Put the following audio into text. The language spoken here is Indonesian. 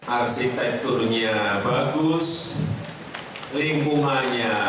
arsitekturnya bagus lingkungannya